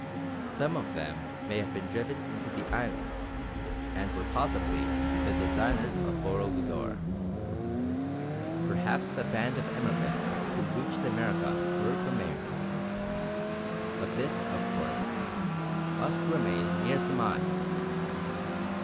Some of them may have been driven into the islands, and were possibly the designers of Boro Budor. Perhaps the band of immigrants who reached America were Khmers; but this, of course, must remain mere surmise.